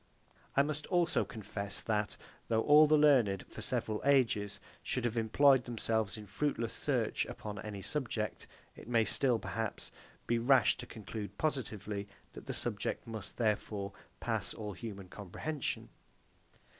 I must also confess that, though all the learned, for several ages, should have employed themselves in fruitless search upon any subject, it may still, perhaps, be rash to conclude positively that the subject must, therefore, pass all human comprehension.